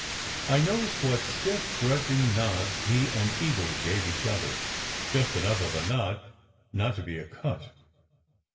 I noticed what stiff, grudging nods he and Eagle gave each other, just enough of a nod not to be a cut.